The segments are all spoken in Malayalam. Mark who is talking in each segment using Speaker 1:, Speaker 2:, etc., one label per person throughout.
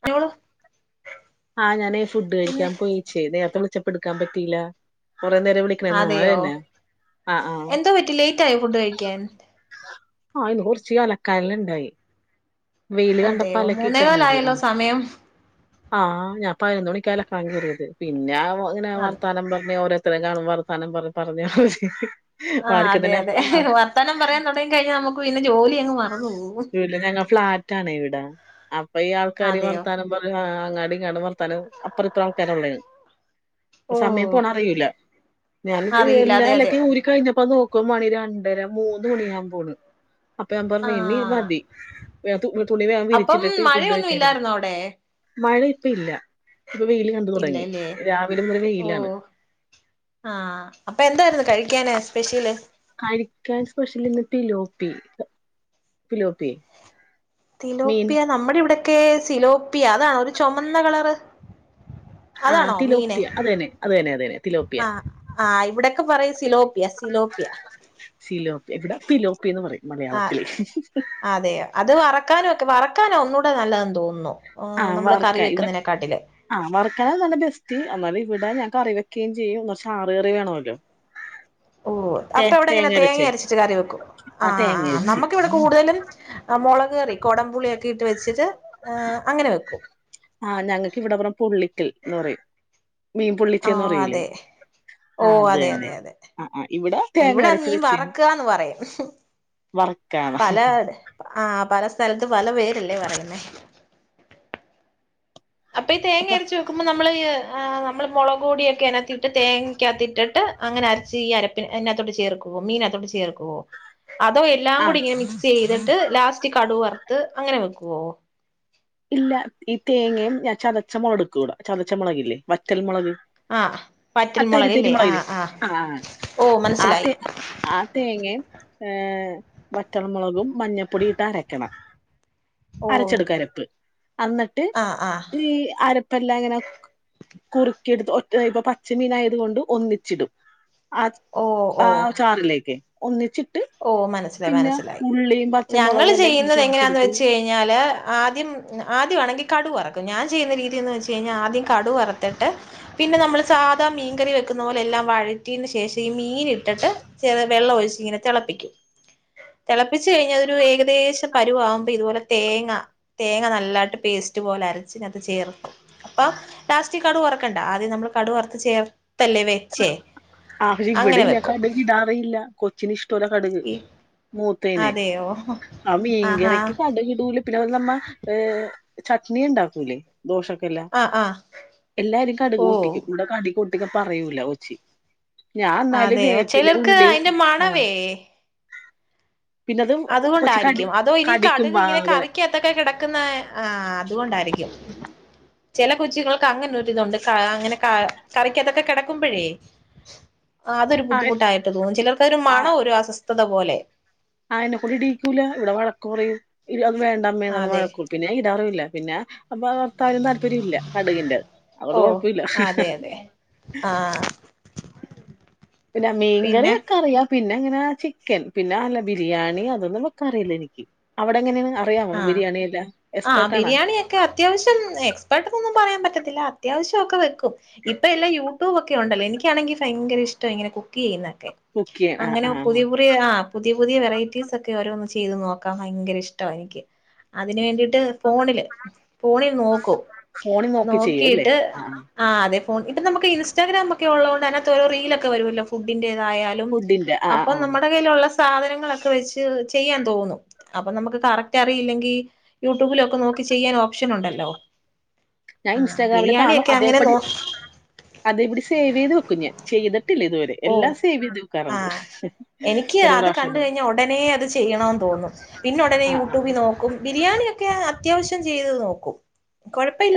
Speaker 1: കുട്ടികള്
Speaker 2: ആ ഞാനെ ഫുഡ് കഴിക്കാൻ പോയിച്ച് നേരത്തെ വിളിച്ച എടുക്കാൻ പറ്റില്ല
Speaker 1: അതെയോ
Speaker 2: ആഹ് ആഹ്
Speaker 1: എന്ത് പറ്റി ലേറ്റ് ആയോ ഫുഡ് കഴിക്കാൻ?
Speaker 2: ആ ഇന്ന് കുറച്ച് അലക്കാനെല്ലാണ്ടായി വെയില് കണ്ടപ്പോ
Speaker 1: അതെയോ മൂന്നേക്കാലായല്ലോ സമയം
Speaker 2: ആ ഞാൻ പതിനൊന്നമണിക്ക അലക്കാൻ കേറിയത് പിന്നെ അങ്ങെനാ
Speaker 1: അതെ
Speaker 2: വാർത്താനം പറഞ്ഞ് ഓരോ ഇത്രനാളും വർത്താനം പറ പറഞ്ഞ
Speaker 1: ആ അതെ അതെ വർത്താനം പറയാൻ തുടങ്ങി കഴിഞ്ഞാൽ നമ്മുക്ക് പിന്നെ ജോലി അങ്ങ് മറന്നു പോകും.
Speaker 2: [inaudible] അപ്പോ ഈ ആൾക്കാർ
Speaker 1: അതെയോ
Speaker 2: വർത്താനം ആ അങ്ങാട്ടിങ്ങോട്ട് വർത്തമാനം അപ്പുറത്തെ ആൾക്കാരല്ലേ
Speaker 1: ഓ
Speaker 2: സമയം പോണത് അറിയില്ല. ഞാൻ
Speaker 1: അറിയില്ല
Speaker 2: എല്ലാം
Speaker 1: അതെ അതെ
Speaker 2: അലക്കി ഊരി കഴിഞ്ഞപ്പോ നോ ക്കുമ്പ മണി രണ്ടര മൂന്ന് മണിയാകൻ പോണു അപ്പൊ ഞാൻ
Speaker 1: ആ
Speaker 2: പറഞ്ഞു ഇനി മതി. വേ തു തുണി വേഗം
Speaker 1: അപ്പം
Speaker 2: വിരിച്ചിട്ടിട്ട് ഫുഡ്
Speaker 1: മഴയൊന്നും
Speaker 2: കഴിക്കയാരുന്നു
Speaker 1: ഇല്ലായിരുന്നോ അവിടെ
Speaker 2: മഴ ഇപ്പയില്ല
Speaker 1: ഇല്ല അല്ലേ ഓ
Speaker 2: വെയിലാണ്
Speaker 1: ആ അപ്പൊ എന്തായിരുന്നു കഴിക്കാന് സ്പെഷ്യല്
Speaker 2: കഴിക്കാൻ സ്പെഷ്യൽ ഇന്ന് തിലോപ്പി തിലോപി
Speaker 1: തിലോപ്പിയ നമ്മുടെ ഇവിടെ ഒക്കെ സിലോപ്പിയ അതാണോ ഒരു ചുമന്ന കളർ
Speaker 2: ആ
Speaker 1: അതാണോ മീന്
Speaker 2: തിലോപ്പിയ അത് തന്നെ അത് തന്നെ അത് തന്നെ തിലോപ്പിയ
Speaker 1: ആ ആ ഇവിടൊക്കെ പറയും സിലോപ്പിയ സിലോപ്പിയ
Speaker 2: സിലോപ്പിയ ഇവിടെ തിലോപ്പി എന്ന് പറയും.
Speaker 1: ആ
Speaker 2: മലയാളത്തില്
Speaker 1: അതെയോ അത് വറക്കാനൊ ക്കും വറ ക്കാനാ ഒന്നുകൂടെ നല്ലതെന്ന് തോന്നുന്നു
Speaker 2: ആ
Speaker 1: നമ്മള് കറി
Speaker 2: വറക്കാൻ ഇവിടെ
Speaker 1: വെക്കുന്നതിനെക്കാട്ടില്
Speaker 2: ആ വറക്കാനാണ് ബെസ്റ്റ് എന്നാലും ഇവിടെ ഞ കറി വെക്കുകയും ചെയ്യും ചാറുകറി വേണമല്ലോ
Speaker 1: ഓ
Speaker 2: തേ
Speaker 1: അപ്പൊ അവിടെ എങ്ങനാ തേങ്ങ
Speaker 2: അരച്ചേ
Speaker 1: അരച്ചിട്ട് കറി വെക്കുമോ? ആ
Speaker 2: തേങ്ങ
Speaker 1: ആ
Speaker 2: അരച്ച്
Speaker 1: നമുക്കിവിടെ കൂടുതലും അ മുള ളകുകറി കൊടംപുളിയൊ ക്കെട്ട് വെച്ചിട്ട് അ അങ്ങനെ വെക്കും
Speaker 2: ആ ഞങ്ങൾക്ക് ഇവിടെ പറയും പൊള്ളിക്കൽ എന്ന് പറയും മീൻ
Speaker 1: ആ
Speaker 2: പൊള്ളിച്ചെന്ന് പറയൂലേ
Speaker 1: അതെ ഓ
Speaker 2: ആഹ് അത്
Speaker 1: അതെ
Speaker 2: തന്നെ
Speaker 1: അതെ അ അതെ
Speaker 2: ആഹ് ആഹ് ഇവിടെ തേങ്ങ
Speaker 1: ഇവിടെ
Speaker 2: അരച്ച്
Speaker 1: മീൻ
Speaker 2: വെച്ചീണ്
Speaker 1: വറക്കുകാന്ന് പറയും.
Speaker 2: വറക്കാണ്
Speaker 1: പല ആ പല സ്ഥലത്ത് പല പേരല്ലേ പറയുന്നത് [inaudible] അപ്പൊ ഈ തേങ്ങ അരച്ച് വെക്കുമ്പോ നമ്മള് ഇ ആ നമ്മള് മുളകു പൊടിയൊക്കെ അതിനാത്തിട്ട് തേങ്ങക്കാത്ത് ഇട്ടിട്ട് അങ്ങനെ അരച്ച് ഈ അരപ്പിന നാത്ത് ചേർക്കുവോ മീനിനാത്തോട്ട് ചേർക്കുവോ അതോ എല്ലാം കൂടി
Speaker 2: ആഹ്
Speaker 1: ഇങ്ങനെ മിക്സ് ചെയ്തിട്ട് ലാസ്റ്റ് കടുവറ ത് അങ്ങനെ വെക്കുവോ
Speaker 2: ഇല്ല ഈ തേങ്ങയും ഞാൻ ചതച്ച മൊളകെടുക്കുവിടെ ചതച്ച മുളകില്ലേ വറ്റൽമുളക്
Speaker 1: ആഹ്
Speaker 2: ആ
Speaker 1: വറ്റൽ
Speaker 2: തരി തരി
Speaker 1: മുളകല്ലേ
Speaker 2: മൊളകില്ലേ
Speaker 1: ആഹ് ആഹ്
Speaker 2: ആ
Speaker 1: ഓ
Speaker 2: ആ
Speaker 1: മനസ്സിലായി
Speaker 2: തെര് ആ തേങേം ഏഹ് വറ്റൽമുളകും മഞ്ഞപ്പൊടിയും ഇട്ട് അരക്കണം
Speaker 1: ഓ
Speaker 2: അരച്ചെടുക്ക അരപ്പ് അന്നിട്ട്
Speaker 1: ആഹ് ആഹ്
Speaker 2: ഈ ആരപ്പല്ലാം ഇങ്ങനെ കുറുക്കിടുത്ത് ഒറ്റ ഇപ്പൊ പച്ച മീനായത് കൊണ്ട് ഒന്നിച്ചിടും അത്
Speaker 1: ഓ
Speaker 2: ആ
Speaker 1: ഓ
Speaker 2: ചാറിലേക്ക് ഒന്നിച്ചിട്
Speaker 1: ഓ മനസ്സിലായി മനസ്സിലായി ഞങ്ങള്
Speaker 2: പച്ചമുളകും എല്ലാം ഇഞ്ചി
Speaker 1: ചെയ്യുന്നത് എങ്ങനാന്ന്
Speaker 2: ചതച്ചെടുത്ത്
Speaker 1: വെച്ച് കഴിഞ്ഞാല് ആദ്യം ആദ്യം ആണെങ്കിൽ കടു വറക്കും ഞാൻ ചെയ്യുന്ന രീതിയന്ന് വെച്ച് കഴിഞ്ഞാ ആദ്യം കടു വറത്തിട്ട് പിന്നെ നമ്മൾ സാധാ മീൻകറി വെക്കുന്ന പോലെല്ലാം വഴറ്റിയേന് ശേഷം ഈ മീൻ ഇട്ടിട്ട് ചെ വെള്ളം ഒഴിച്ചിങ്ങനെ ഇങ്ങനെ തെളപ് പ്പിക്കും തിളപ്പിച്ച് കഴിഞ്ഞ അതൊരു ഏകദേശം പരുവാകുമ്പോ ഇതുപോലെ തേങ്ങ തേങ്ങ നല്ലായിട്ട് പേസ്റ്റ് പോലെ അരച്ച് ഈനാത്ത് ചേർക്കും അപ്പൊ ലാസ്റ്റിൽ കടു വറുക്കണ്ട ആദ്യം നമ്മൾ കടു വറത്ത് ചേർ
Speaker 2: ആ പക്ഷെ ഇവിടെ ഇല്ലെ
Speaker 1: വെക്കും
Speaker 2: കടുകിടാറേയില്ല കൊച്ചിന് ഇഷ്ട ഷ്ട്ടോല്ല കടുക്
Speaker 1: ഈ
Speaker 2: മൂത് ത്തേന്
Speaker 1: അതെയോ
Speaker 2: ആ മീൻ
Speaker 1: ആഹാ
Speaker 2: കറിക്ക് കടുകിടൂ പിന്നെ നമ്മ ഏഹ് ചട്നി ഇണ്ടാക്കൂലേ ദോഷൊക്കല്ലെ
Speaker 1: ആഹ് ആഹ്
Speaker 2: എല്ലാരും കടുക്
Speaker 1: ഓ
Speaker 2: പൊട്ടിക്കും ഇവിടെ കടുക് പൊട്ടി [unintelligible] അറിയൂല ഒച്ചി
Speaker 1: അതെയോ ചിലർക്ക് അയിൻ്റെ
Speaker 2: ആഹ്
Speaker 1: മണവേ
Speaker 2: പിന്നത് കൊച്ച് കടി
Speaker 1: അതുകൊണ്ടായിരിക്കും അതോ ഇനി
Speaker 2: കടിക്കും
Speaker 1: കടൽ
Speaker 2: ആ
Speaker 1: ഇങ്ങനെ
Speaker 2: അങ്ങനെ
Speaker 1: കറിക്കാത്തൊക്കെ കിടക്കുന്ന ആ അതുകൊണ്ടായിരിക്കും ചില കൊച്ചിങ്ങൾക് ക്കങ്ങനൊരിതുണ്ട് ക അങ്ങനെ കാ കറിക്കാത്തൊക്കെ കെട ക്കുമ്പഴേ ആ അതൊരു
Speaker 2: ആഹ്
Speaker 1: ബുദ്ധിമുട്ടായിട്ട് തോന്നും ചിലർക്കത് ഒരു മണ
Speaker 2: ആഹ്
Speaker 1: ഒരു അസ്ഥ ത്തതപോലെ
Speaker 2: എന്നെക്കൊണ്ടിടീക്കൂല്ല ഇവിടെ വഴക്ക് പറയും, ഇനി അത് വേണ്ടമ്മേന്ന്ള്ള
Speaker 1: അതെ
Speaker 2: വഴക്കും പിന്നെ ഞാൻ ഇടാറും ഇല്ല പിന്നെ അപ്പൊ അതോർത്താരും താല്പര്യ ഇല്ല കടുകിന്റെ അതുകൊണ്ട്
Speaker 1: ഓ
Speaker 2: കൊഴപ്പില്ല
Speaker 1: അതെ അതെ ആഹ്
Speaker 2: പിന്നെ മീൻകറി
Speaker 1: പിന്നെ
Speaker 2: വെക്കാൻ അറിയാം പിന്നെ എങ്ങനൊ ചിക്കൻ പിന്നെ അല്ല ബിരിയാണി അതൊന്നും വെക്കാനറി യില്ലനിക്ക് അവിടെങ്ങനെയ
Speaker 1: ആഹ ആ ബിരിയാണിയൊക്കെ അത്യാവശ്യം എക്സ്പർട്ട് നൊന്നും പറയാൻ പറ്റത്തില്ല അത്യാവശ്യ ഒക്കെ വെക്കും ഇപ്പൊ എല്ലാം യൂട്യൂബ് ഒക്കെ ഉണ്ടല്ലോ എനിക്കാണെങ്കിൽ ഭയങ്കര ഇഷ്ട ഇങ്ങനെ കുക്ക് ചെയ്യുന്നെ
Speaker 2: കുക്ക് ചെയ്യാൻ ആ
Speaker 1: അങ്ങനെ
Speaker 2: ആ
Speaker 1: പുതിയ പുതിയ ആ പുതിയ പുതിയ വെ വെറൈറ്റീസ്‌ ഒക്കെ ഓരോന്ന് ചെയ്ത് നോക്കാ ഭയങ്കര ഇഷ്ടാണ് എനി ക് അതിന് വേണ്ടി ഫോണില് ഫോണിൽ നോക്കും
Speaker 2: ഫോണിൽ നോക്കി ചെയ്യും അല്ലേ
Speaker 1: നോക്കിട്ട്
Speaker 2: ആ
Speaker 1: ആദ്യ ഇപ്പ നമക്ക് ഇൻസ്റ്റഗ്രാം ഒക്കെ ഉള്ള കൊണ്ട് അതിനത്ത് ഓരോ റീലക്കെ വരൊല്ലോ ഫുഡിന്റെ തായാലും
Speaker 2: ഫുഡിന്റെ ആ
Speaker 1: അപ്പൊ
Speaker 2: ആ
Speaker 1: നമ്മുടെ കയ്യിലുള്ള സാധനങ്ങളൊക്കെ വെച്ച് ചെയ്യാൻ തോന്നും അപ്പൊ നമുക്ക് കറക്റ്റ് റ്റ് അറിയില്ലെങ്കിൽ യൂട്യൂബിലൊക്കെ നോക്കി ചെയ്യാൻ ഓപ്ഷൻ ഉണ്ടല്ലോ?
Speaker 2: ഞാൻ
Speaker 1: ആ
Speaker 2: ഇൻസ്റ്റാഗ്രാമിൽ കാണും
Speaker 1: ബിരിയാണിയൊക്കെ അങ്ങനെ
Speaker 2: അതേപടി
Speaker 1: നോ
Speaker 2: അതേപടി സേവ് ചെയ്തു വെക്കും ഞാൻ ചെയ്ത് ഇതുവരെ
Speaker 1: ഓ
Speaker 2: എല്ലാം സേവ്
Speaker 1: ആ
Speaker 2: വെക്കാറുണ്ട്
Speaker 1: എനിക്ക്
Speaker 2: ഒരു
Speaker 1: അത് കണ്ട
Speaker 2: പ്രാവശ്യം വേ-
Speaker 1: കഴിഞ്ഞാ ഉടനെ അത് ചെയ്യണന്ന് തോന്നും. പിന്നെ ഉടനെ
Speaker 2: ആ ആ
Speaker 1: യൂട്യൂബിൽ നോക്കും ബിരിയാണിയൊക്കെ അത്യാവശ്യം ചെയ്ത് നോക്കും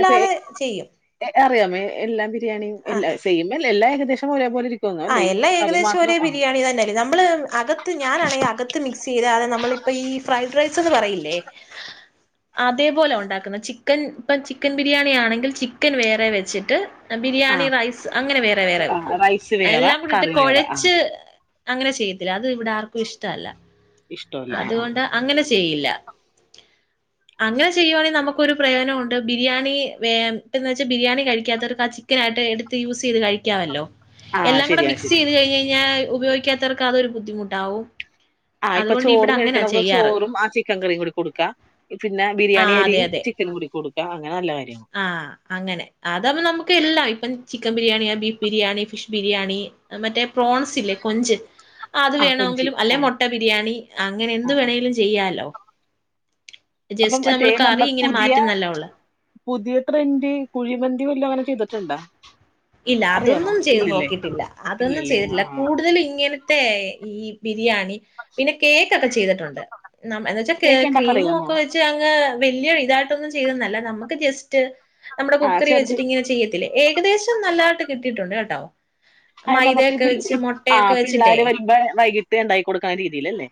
Speaker 2: അപ്പൊ
Speaker 1: ചെയ്യും
Speaker 2: അറിയാമോ എല്ലാം ബിരിയാണിയും എല്ലാം ചെയ്യുമ്പ എല്ലാ എല്ലാം ഏദേശം ഒരേ പോലെ
Speaker 1: ആ എല്ലാ ഏകദേശം ഒരേ ബിരിയാണി തന്നെല്ല നമ്മള് അകത്ത് ഞാനാണെങ്കിൽ അകത്ത് മിക്സ് ചെയ്ത അതെ നമ്മളിപ്പ ഈ ഫ്രൈഡ് റൈസ് എന്ന് പറയില്ലേ അതേപോലെ ഉണ്ടാക്കുന്ന ചിക്കൻ ഇപ്പ ചിക്കൻ ബിരിയാണി ആണെങ്കിൽ ചിക്കൻ വേറെ വെച്ചിട്ട്
Speaker 2: ആ
Speaker 1: ബിരിയാണി റൈസ് അങ്ങനെ വേറെ വേറെ
Speaker 2: ആ
Speaker 1: വെക്കും
Speaker 2: റൈസ് വേറെ
Speaker 1: എല്ലാം കൂടിട്ട്
Speaker 2: കറി വേറെ ആ
Speaker 1: കൊഴച്ച് അങ്ങനെ ചെയ്യത്തില്ല അത് ഇവിടെ ആർക്കും ഇഷ്ടല്ല
Speaker 2: ഇഷ്ടല്ല ആ ആ
Speaker 1: അതുകൊണ്ട് അങ്ങനെ ചെയ്യില്ല അങ്ങനെ ചെയ്യുവാണെങ്കിൽ നമുക്കൊരു പ്രയോജനമുണ്ട് ബിരിയാണി വെച്ചാ ബിരിയാണി കഴിക്കാത്തവർക്ക് ആ ചിക്കൻ ആയിട്ട് എടുത്ത് യൂസ് ചെയ്ത് കഴിക്കാമല്ലോ
Speaker 2: ആ ആ,
Speaker 1: എല്ലാം കൂടെ
Speaker 2: ശരിയാണ്
Speaker 1: മിക്സ് ചെയ്ത്
Speaker 2: ശരിയാണ്
Speaker 1: കഴിഞ് കഴിഞ്ഞാൽ ഉപയോഗിക്കാത്തവർക്ക് അതൊരു ബുദ്ധിമുട്ടാവും
Speaker 2: ആഹഇപ്പൊ
Speaker 1: അതുകൊണ്ട് ഇവിടെ
Speaker 2: ചോറും
Speaker 1: അങ്ങനാ
Speaker 2: കഴിക്കണ
Speaker 1: ചെയ്യാറ്.
Speaker 2: ചോറും ആ ചിക്കൻ കറിയും കൂടി കൊടുക്കുക പിന്നെ ബിരിയാണി അരിയും ചിക്കൻ കൂടി കൊടു
Speaker 1: ആ അങ്ങനെ അതപ്പം നമുക്ക് എല്ലാം ആയി ഇപ്പം chicken biryani, beef biryani, fish biryani മറ്റേ പ്രോൺസ് ഇല്ലേ കൊഞ്ച് അത്
Speaker 2: ആ കൊഞ്ച്
Speaker 1: വേണമെങ്കിലും
Speaker 2: ആ
Speaker 1: അല്ലെ മുട്ട ബിരിയാണി അങ്ങനെ
Speaker 2: ആ
Speaker 1: എന്ത്
Speaker 2: ആ.
Speaker 1: വേണമെങ്കിലും ചെയ്യാലോ
Speaker 2: അപ്പം
Speaker 1: ജസ്റ്റ്
Speaker 2: മറ്റേ
Speaker 1: നമ്മൾ
Speaker 2: നമ്മള്
Speaker 1: കറി ഇങ്ങനെ
Speaker 2: പുതിയ
Speaker 1: മാറ്റുന്നല്ല ഉള്ളത്.
Speaker 2: പുതിയ ട്രെന്റ് കുഴിമന്തി വല്ലോം അങ്ങനെ ചെയ്തിട്ടുണ്ടൊ?
Speaker 1: ഇല്ല അതൊന്നും ചെയ്ത് നോക്കിട്ടില്ല. അതൊന്നും
Speaker 2: ഇല്ലല്ലേ
Speaker 1: ചെയ്തിട്ടില്ല.
Speaker 2: ആ
Speaker 1: കൂടുതലും ഇങ്ങനെ ത്തെ ഈ ബിരിയാണി, പിന്നെ കേക്കൊക്കെ ചെയ്തിട്ടൊണ്ട്. എന്നു വെച്ചാൽ
Speaker 2: കേക്ക് ഉണ്ടാക്കാൻ
Speaker 1: ക്രീമും
Speaker 2: അറിയാമോ
Speaker 1: ഒക്കെ വെച്ച് അങ്ങ് വല്യ ഇതായിട്ടൊന്നും ചെയ്തെന്നല്ല. നമുക്ക് ജസ്റ്റ് നമ്മുടെ
Speaker 2: ആ
Speaker 1: കുക്കറി
Speaker 2: ചെറുത്
Speaker 1: വെച്ചിട്ട് ഇങ്ങനെ ചെയ്യത്തില്ലേ ഏ- കദേശ [unintelligible] നല്ലയായിട്ട് കിട്ടിയിട്ടുണ്ടേട്ടോ.
Speaker 2: അത് നമക്ക് പി ആ
Speaker 1: വെച്ചിട്ടേ
Speaker 2: പിള്ളാര് വരുമ്പോ വൈകിട്ട്ണ്ടാക്കി കൊടുക്കണ രീതിയിലല്ലേ?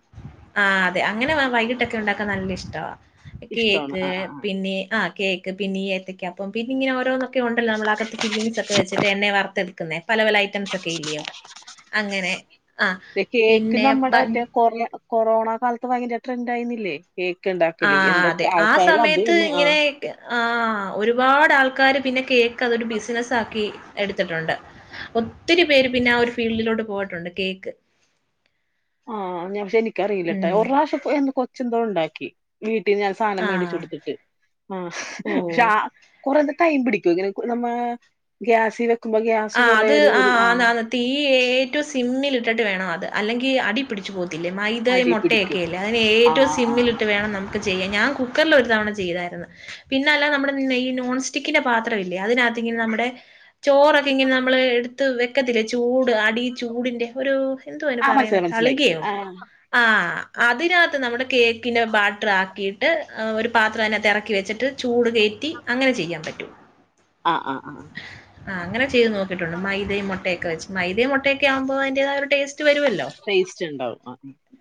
Speaker 1: [unintelligible] ഒണ്ടാക്കൻ നല്ല ഇഷ്ടവാ.
Speaker 2: ഇഷ്ടമാണ്
Speaker 1: കേക്ക്
Speaker 2: ആ ആ ആ
Speaker 1: പിന്നെ ആ കേ പിന്നെ ഈഏത്തക്കപ്പം പിന്നെ ഇങ്ങനെ ഓരോനോ ക്കെ ഒണ്ടല്ലോ നമ്മള് അകത്ത് ഫീലിങ്സ് ചിട്ട് എണ്ണേ വറത്തെ ക്കുന്നെ പല പല ഐറ്റംസൊക്കെ ഇല്ലയോ അങ്ങനെ ആഹ്
Speaker 2: ദേ കേക്ക്
Speaker 1: പിന്നെ ബ
Speaker 2: നമ്മുടെ മറ്റേ കൊറ കൊറോണ കാലത്ത് ഭയങ്കര ട്രെന്റായിന്നില്ലേ
Speaker 1: ആ അതെ ആ സമയത്ത്
Speaker 2: തന്നെ ആ
Speaker 1: ഇങ്ങനെ ആഹ് ഒരുപാട് ആൾ ക്കാര് പിന്നെ കേക്ക് അതൊരു ബിസിനസ് ആക്കി എടുത്തിട്ടെണ്ട് ഒത്തിരി പേര് പിന്നെ ആ ഒരു ഫീൽഡിലോട്ട് പോയിട്ടുണ്ട് കേക്ക്
Speaker 2: ആ ഞാ പക്ഷെ
Speaker 1: ഉം
Speaker 2: നിക്കറിയില്ലട്ടെ ഒരു പ്രാവശ്യപ്പൊന്ന് കൊച്ച് ഉണ്ടാക്കി വീ പിന്നെ ഞാൻ സാധനം മേടിച്ചു
Speaker 1: ആഹ്
Speaker 2: കൊടുത്തിട്ട് ആ പക്ഷെ
Speaker 1: ഓഹ്
Speaker 2: ആ കൊറെ ടൈം പിടിക്കുവോ ഇങ്ങനെ നമ്മ ഗ്യാസിവേ
Speaker 1: ആ അത് ആ ആന്ന് ആന്ന് തീ ഏറ്റവും സിമ്മിൽ ഇട്ടിട്ട് വേണം അത് അല്ലെങ്കി അടി പിടിച്ച് പോകുന്നു [unintelligible] മൈതയും
Speaker 2: അടി പിടിക്കും
Speaker 1: മുട്ടയൊക്കെല്ലേ അതിന്
Speaker 2: ആ
Speaker 1: ഏറ്റവും
Speaker 2: ആ ആ ആ.
Speaker 1: സിമ്മിലിട്ട് വേണം നമുക്ക് ചെയ്യാം ഞാൻ കുക്കറിൽ ഒരു തവണ ചെയ്താരുന്നു പിന്നല്ല നമ്മടെ നെ നോൺസ്റ്റിക്കിന്റെ പാത്രവില്ലേ അതിനകത്ത് ഇങ്ങനെ നമ്മടെ ചോ പ്പങ്ങിനെ നമ്മള് എട് ത്ത് വെക്കത്തില്ല ചൂട് അടി ചൂടിൻ്റെ ഒരു- എന്തുവാ അയിന്
Speaker 2: ആ,
Speaker 1: പറയുന്നേ
Speaker 2: മനസ്സിലായി മനസ്സിലായി
Speaker 1: തളികയോ
Speaker 2: ആ
Speaker 1: ആ- അതിനത്ത് നമ്മടെ കേക്കിനെ ബാറ്ററാക്കി ട്ട് ഒരു പാത്രംഅയിനത്ത് എറക്കി വെച്ചിട്ട് ചൂട് കേറ്റി അങ്ങനെ ചെയ്യാൻ പറ്റും-
Speaker 2: ആ ആ ആ-
Speaker 1: ആ അങ്ങനെ ചെയ്ത് നോക്കിട്ടുണ്ട് മൈദയും മുട്ടയൊക്കെച്ച് മൈതയും മുട്ടൊക്കെ ആുമ്പോൾതിന്റതായ ഒരു ടേസ്റ്റ് വരുവല്ലോ.
Speaker 2: ടേസ്റ്റു ഉണ്ടാവും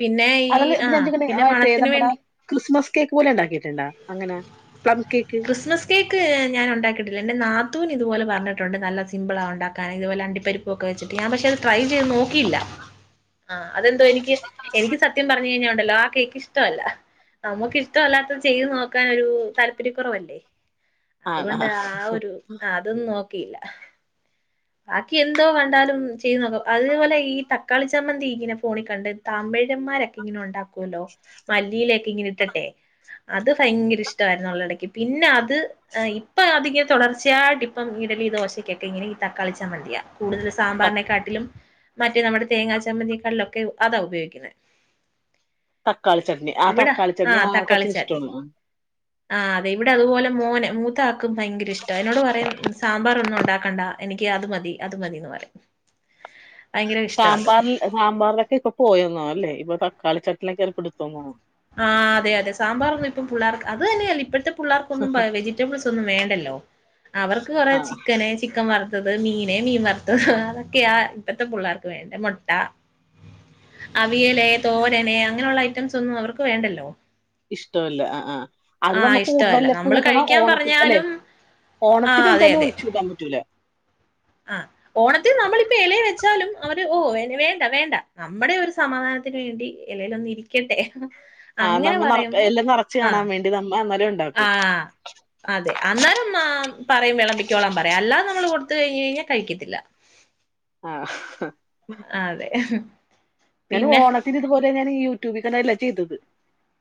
Speaker 1: പിന്നെ ഈ
Speaker 2: ആഅതില്
Speaker 1: ആ
Speaker 2: ഇപ്പ
Speaker 1: പിന്നെ
Speaker 2: ഞാൻട്ടേ
Speaker 1: മണത്തിന്
Speaker 2: നമ്മുടെ
Speaker 1: വേണ്ടി
Speaker 2: ക്രിസ്മസ് കേക്ക് പോല എണ്ടാക്കീട്ട്ണ്ടാ
Speaker 1: ക്രിസ്മസ് കേക്ക് ഞാൻ ഉണ്ടാക്കിട്ടില്ലേ എന്റെ നാത്തുന് ഇതുപലെ പറഞ്ഞിട്ടണ്ട് നല്ല സിമ്പിൾ ആണ് ഉണ്ടാക്കൻ ഇതുപോലെണ്ടി പരിപ്പ് ഒക്കെച്ചി്ട്ട് ഞാൻപക്ഷെ അത് ട്രൈ നോക്കിയില്ലആ അതെന്തോ എനിക്ക് എനിക്ക് സത്യം പറഞ്ഞ കഴിഞ്ഞ ഉണ്ടല്ലോ ആ കേക്ക് ഇഷ്ടമല്ല നമ്മുക്ക് ഇഷ്ടമല്ലാത്ത ചെയ്ത് നോ ക്കാന ഒരു താല്പര്യം കുറവല്ലേ
Speaker 2: ആണോ
Speaker 1: അതുകൊണ്ട് ആ ഒരു അ അതൊന്നും നോ ക്കിയില്ല ബാക്കി എന്തോ കണ്ടാലും ചെയ്തു നോക്കാം അതുപോലെ ഈ തക്കാളി ചമ്മന്തി ഇങ്ങനെ ഫോണി കണ്ട് തമിഴമാരൊക്കെ ഇങ്ങനെ ഉണ്ടാ- ക്കൂല്ലോ മല്ലിയില ഇങ്ങനെ ഇട്ടട്ടെ അത് ഭയങ്കര ഇഷ്ടമായിരുന്നുള്ള ഇടക്ക് പി--ന്നെ അത് ആഹ ഇപ്പൊ അധികം തുടർച്ചയട്ട ഇപ്പം ഇഡ്‌ലി ദോശക്കൊക്കെ ഇങ്ങനെ തക്കാളിച്ചമ്മന്തിയാ കൂടുതൽ സാമ്പാറിനെക്കാട്ടിലും മറ്റ നമ്മുടെ തേങ്ങാ ചമ്മന്തി കൊക്കെ അതാ ഉപയോഗിക്കുന്നെ
Speaker 2: തക്കാളി ചട്നി ആ
Speaker 1: ഇവിടെ
Speaker 2: തക്കാളി ചട്നി
Speaker 1: ആഹ
Speaker 2: ആ
Speaker 1: തക്കാളി
Speaker 2: കൊച്ചിന്
Speaker 1: ചട്നി
Speaker 2: ഇഷ്ടമാണ്
Speaker 1: ആ അതെ ഇവിടെ അതുപോലെ മോന് മൂത്ത ആാക്കും ഭയങ്കര ഇഷ്ട എന്നോട് പറയും സാമ്പാറ ഒന്നും ഉണ്ടാക്കണ്ട എനിക്ക് അത് മതി അത് മതിന്ന് പറയും ഭയങ്കര ഇഷ്ട അത്
Speaker 2: സാമ്പാറിൽ സാമ്പാറിലൊക്കെ ഇപ്പ പോയൊന്ന് അല്ലേ ഇപ്പൊ തക്കാളി ചട്നിലൊക്കെയാണ് പിടുത്തം എന്ന് തോന്നുന്നു
Speaker 1: ആഹ് അതെ അതെ സാമ്പാറൊന്നും ഇപ്പം പിുള്ളള്ളേർക്ക് അത് തന്നെയല്ല ഇപ്പഴത്തെ പിള്ളേർക്കൊന്നും വെജിറ്റബിൾസ് ഒന്നും വേണ്ടല്ലോ അവർക്ക് കുറേ
Speaker 2: ആ
Speaker 1: ചിക്കന് ചിക്കൻ വറു വറുത്തത് മീൻ മീൻവറുത്തത് അതൊക്കെയ ആ ഇപ്പഴത്തെ പിള്ളേർക്ക് വേണ്ട മുട്ട അവിയല തോരനെ അങ്ങനെയുള്ള ഐറ്റംസ് ഒന്നും അവക്ക് വേണ്ടല്ലോ
Speaker 2: ഇഷ്ടമല്ല ആഹ ആഹ്
Speaker 1: ആ
Speaker 2: അത് നമ്മുക്ക്
Speaker 1: ഇഷ്ടമല്ല
Speaker 2: കല്ല
Speaker 1: നമ്മള്
Speaker 2: കൂട്ടണം
Speaker 1: കഴിക്കാൻ
Speaker 2: ഓണത്തി അല്ലെ
Speaker 1: പറഞ്ഞാലും ആ
Speaker 2: ഓണത്തിന്
Speaker 1: അതെ
Speaker 2: എന്തായാലും
Speaker 1: അതെ
Speaker 2: ഒഴിച്ചു കൂടാൻ പറ്റൂലേ
Speaker 1: ആ ഓണത്തിൽ നമ്മളിപ്പോ ഇലെ വെച്ചാലും അവര് ഓ വേണ്ട വേണ്ട നമ്മുടെ ഒരു സമാധാനത്തിന് വേണ്ടി എ ലേല് ഒന്ന ഇരിക്കട്ടെ
Speaker 2: ആ
Speaker 1: അങ്ങനെ
Speaker 2: നമ്മ നിറ
Speaker 1: പറയുമ്പോം
Speaker 2: എല്ലാം നിറച്ച്
Speaker 1: ആഹ
Speaker 2: കാണാൻ വേണ്ടി നമ്മ അന്നേരം ഉണ്ടാക്കും
Speaker 1: ആഹ അതെ അന്നാലും ആ പറയും വിളമ്പിക്കോളാൻ പറയാം അല്ലാതെ നമ്മൾ കൊടുത്ത കഴിഞ്ഞ പിന്നെകഴിക്കത്തില്ല
Speaker 2: ആഹ
Speaker 1: ആഹ് അതെ.
Speaker 2: ഞന്
Speaker 1: പിന്നെ
Speaker 2: ഓണത്തിനിതുപോലെ ഞാന് ഈയു ടുപിക്കടല്ലെ ചെയ്തത്.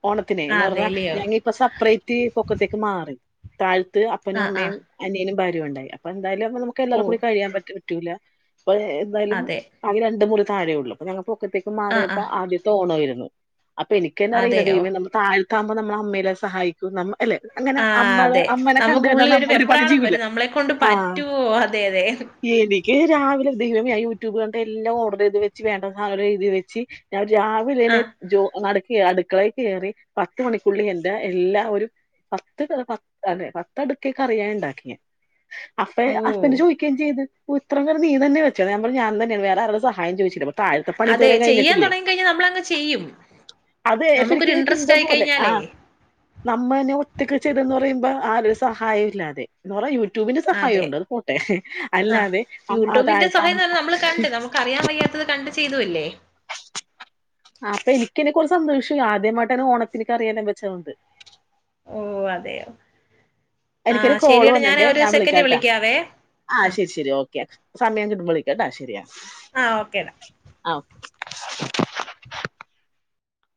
Speaker 2: ഓണത്തിനെ എന്ന് പറഞ്ഞാ
Speaker 1: അതെല്ലിയോ
Speaker 2: ഞങ്ങഇപ്പ സെപ്പറേറ്റ് പൊക്കത്തേക്ക് മാറി. താൽ ത് അപ്പനും
Speaker 1: ആഹ്
Speaker 2: അമ്മേം
Speaker 1: ആഹ്
Speaker 2: അനിയനും ബാ ണ്ടായി അപ്പം ന്തായാലും നമുക്ക്
Speaker 1: ഓ
Speaker 2: എല്ലാക്കും കുടി കഴിയാൻ പറ്റ് റ്റുല്ല. അ എന്തായാലും
Speaker 1: അതെ
Speaker 2: ആക രണ്ട് മുറി - താഴേഉള്ളു ഞങ്ങക്ക് അപ്പത്തേക്കും
Speaker 1: ആഹ്
Speaker 2: മാറിയപ്പോ
Speaker 1: ആഹ്
Speaker 2: ആദ്യത്തെ ഓണൊയിരു നൊ അപ്പ എനിക്ക്ന്നെ അറിയില്ല
Speaker 1: അതെയോ
Speaker 2: ദൈവാമ്മേ നമൾ തായ്‌ താമ്പം നമ്മൾ അമ്മെനെ സഹായിക്കു നമ്മ അല്ലെ അങ്ങനെ
Speaker 1: ആഹ്
Speaker 2: അമ്മള്
Speaker 1: അതെ
Speaker 2: അമ്മനെ കണ്ട്
Speaker 1: നമുക്ക്
Speaker 2: കണ്ട
Speaker 1: ഉള്ളിലൊരു
Speaker 2: നമ്മൾ ഒരു പണി
Speaker 1: വെപ്രാളം
Speaker 2: ചെയീവില്ല
Speaker 1: വരും നമ്മളെ കൊണ്ട്
Speaker 2: ആഹ്
Speaker 1: പറ്റുവോ അതെ അതെ
Speaker 2: എനിക്ക് രാവിലെന്തെകിലും ഇയാ യൂട്യൂബ് കള്ടെ എല്ലാം ഓടറെയ്ത് വെച്ച് വേണ്ട ആതേഴുതി വെച്ചി ഞാ ഒരു രാവിലെനെ
Speaker 1: ആഹ്
Speaker 2: ജോ നട് അടുക്കളെ കേറി പത്ത് മണിക്കുള്ളി എ ഇത്‌ എല്ലാ ഒരു പത്ത് ദേ പാ അതെ പത്തടുക്ക് കറിയഇണ്ടാക്കിയെ അപ്പഴെ
Speaker 1: ഓ
Speaker 2: ഹസ്ബന്റ് ചോയിക്കേം ചെയ്ത്. ഓ ഇത്രംകറി നീ തന്നെവെച്ത് ഞാ പറഞ്ഞു ഞാൻതന്നേയാ വേറേ ആരുടേം സഹായ ചോയിച്ചില്ല താഴത്തെ
Speaker 1: അതെ
Speaker 2: പണിഇതുവരേം
Speaker 1: ചെയ്യാൻ
Speaker 2: കഴിഞ്ഞിട്ടില്ലേ
Speaker 1: തുടങ്ങി കഴിഞ്ഞാൽ നമ്മളങ്ങ് ചെയ്യും
Speaker 2: അത് എ സരിക്ക്
Speaker 1: നമുക്കൊരു
Speaker 2: എനിക്ക്
Speaker 1: ഇൻട്രസ്റ്റ്
Speaker 2: എന്തോ
Speaker 1: ആയി
Speaker 2: പോലെ
Speaker 1: കഴിഞ്ഞാലേ
Speaker 2: ആഹ് നമ്മന് ഓ ഒറ്റക്ക് ചെയ്തെന്ന് പറയുമ്പ ആരുടെ സഹായം ഇല്ലാതെ ന് പറയു യുടൂബിന്റെ സഹായം
Speaker 1: അതെ
Speaker 2: ഉണ്ട് അത് പോട്ടെ
Speaker 1: ആഹ്
Speaker 2: അല്ലാതെ അ ആ
Speaker 1: യൂട്യൂബിന്റെ
Speaker 2: താഴ്ത്ത
Speaker 1: സഹായംന്ന് ചെയ്തു അല്ലേ.
Speaker 2: അപ്പൊ എനിക്കെന്നെ കുറേ സന്തോഷില്ല ആദ്യമായിട്ട്ന്ന ഓണത്തിൻ കറിയെല്ലാം വെചത്തോണ്ട്
Speaker 1: ഓ അതെയോ
Speaker 2: എനിക്കൊരു
Speaker 1: ആഹ്
Speaker 2: കോള്
Speaker 1: ശരിയെടാ ഞാൻ
Speaker 2: വന്നണ്ടേ
Speaker 1: ഒരു
Speaker 2: ഞാ
Speaker 1: സെക്കൻഡ്
Speaker 2: വിളിക്കാട്ടാ
Speaker 1: വിളിക്കാവേ
Speaker 2: ആഹ് ശരി ശരി ഓക്കെ. സമയം കിട്ടബോ വിളിക്കട്ട ശരിയാ
Speaker 1: ആഹ് ഓക്കേടാ.
Speaker 2: ആ ഓക്കെ